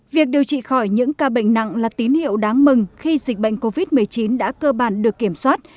việc điều trị khỏi những ca bệnh nặng là tín hiệu đáng mừng khi dịch bệnh covid một mươi chín đã cơ bản được kiểm soát